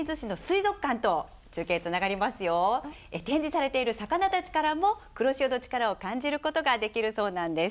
展示されている魚たちからも黒潮の力を感じることができるそうなんです。